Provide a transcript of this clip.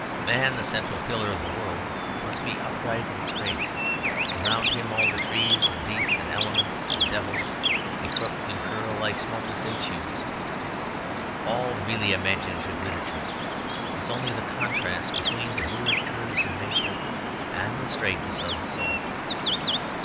Man, the central pillar of the world must be upright and straight; around him all the trees and beasts and elements and devils may crook and curl like smoke if they choose. All really imaginative literature is only the contrast between the weird curves of Nature and the straightness of the soul.